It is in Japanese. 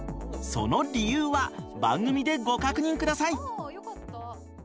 その理由は番組でご確認ください。